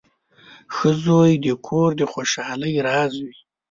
• ښه زوی د کور د خوشحالۍ راز وي.